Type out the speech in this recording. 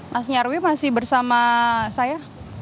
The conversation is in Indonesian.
mas nyarwi masih bersama saya